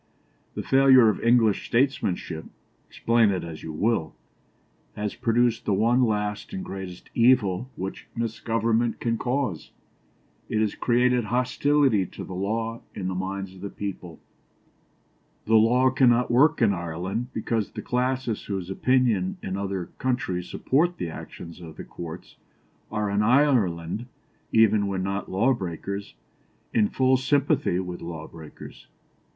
The failure of English statesmanship, explain it as you will, has produced the one last and greatest evil which misgovernment can cause. It has created hostility to the law in the minds of the people. The law cannot work in Ireland because the classes whose opinion in other countries supports the actions of the courts, are in Ireland, even when not law breakers, in full sympathy with law breakers."